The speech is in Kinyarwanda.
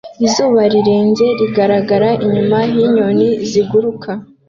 Izuba rirenze rigaragara inyuma yinyoni ziguruka